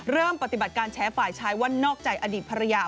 ปฏิบัติการแชร์ฝ่ายชายว่านอกใจอดีตภรรยา